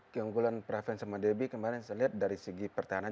keunggulan praven sama debbie kemarin saya lihat dari segi pertahanan